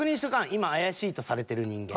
今怪しいとされてる人間。